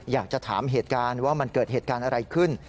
อยากจะถามเหตุการณ์ว่ามันเกิดเหตุการณ์อะไรขึ้น